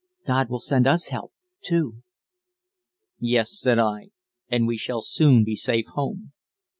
God will send us help, too." "Yes," said I, "and we shall soon be safe home."